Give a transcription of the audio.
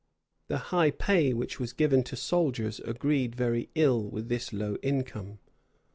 The high pay which was given to soldiers agreed very ill with this low income.